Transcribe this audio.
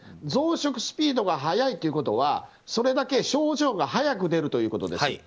増殖スピードが速いということはそれだけ症状が早く出るということです。